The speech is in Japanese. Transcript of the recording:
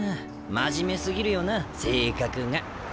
真面目すぎるよな性格が。